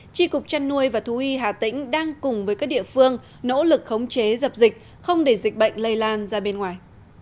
tri cục trăn nuôi và thú y hà tĩnh đang cùng với các địa phương nỗ lực khống chế dập dịch không để dịch bệnh lây lan ra bên ngoài